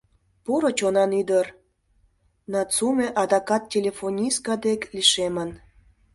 — Поро чонан ӱдыр, — Нацуме адакат телефонистка дек лишемын.